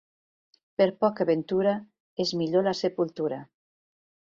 Per poca ventura és millor la sepultura.